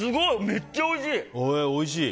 めっちゃおいしい！